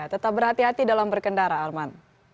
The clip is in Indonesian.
tetap berhati hati dalam berkendara arman